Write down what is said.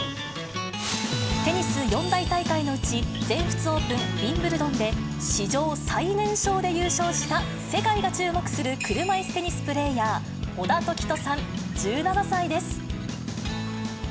テニス四大大会のうち、全仏オープン、ウィンブルドンで史上最年少で優勝した、世界が注目する車いすテニスプレーヤー、小田凱人さん１７歳です。